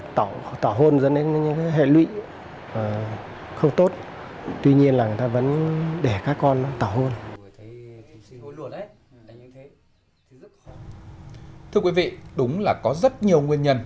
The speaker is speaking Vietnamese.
thưa quý vị đúng là có rất nhiều nguyên nhân